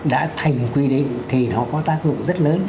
đã thành quy định thì nó có tác dụng rất lớn